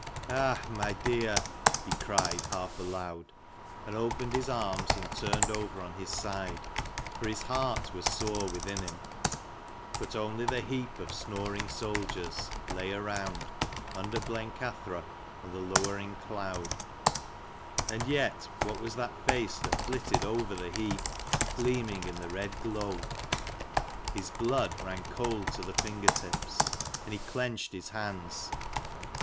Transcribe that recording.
" Ah my dear," he cried, half aloud, and opened his arms and turned over on his side, for his heart was sore within him. But only the heap of snoring soldiers lay around, under Blencathra and the lowering cloud. And yet, what was 218 that face that flitted over the heap, gleaming in the red glow ? His blood ran cold to the finger tips, and he clenched his hands.